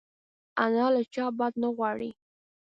انا له چا بد نه غواړي